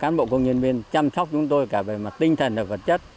cán bộ công nhân viên chăm sóc chúng tôi cả về mặt tinh thần và vật chất